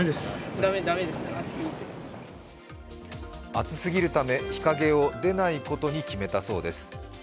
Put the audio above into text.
暑すぎるため、日陰を出ないことに決めたそうです。